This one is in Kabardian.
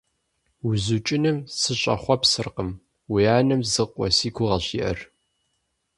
УзукӀыным сыщӀэхъуэпсыркъым, уи анэм зы къуэ си гугъэщ иӀэр…